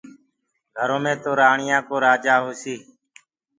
گھرو مي تو رآڻيآ ڪو رآجآ هوسي